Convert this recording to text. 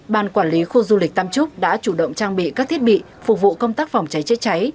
ban quản lý khu du lịch tam trúc đã chủ động trang bị các thiết bị phục vụ công tác phòng cháy chữa cháy